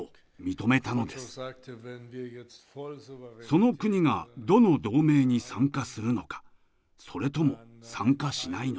その国がどの同盟に参加するのかそれとも参加しないのか。